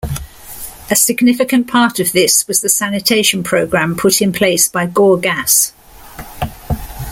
A significant part of this was the sanitation program put in place by Gorgas.